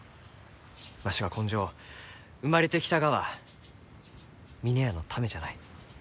わしは今生生まれてきたがは峰屋のためじゃない。